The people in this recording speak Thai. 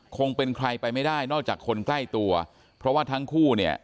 คงเป็นใครไปไม่ได้นอกจากคนใกล้ตัวเพราะว่าทั้งคู่เนี่ย